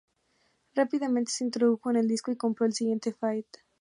Rápidamente se introdujo en el disco y compró el siguiente, Faith.